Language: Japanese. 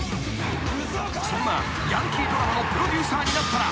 ［そんなヤンキードラマのプロデューサーになったら］